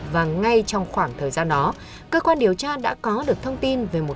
và ngay trong khoảng thời gian đó cơ quan điều tra đã có được thông tin